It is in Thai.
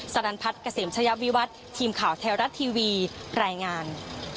สรรพัฒน์เกษมชะยะวิวัฒน์ทีมข่าวไทยรัฐทีวีรายงาน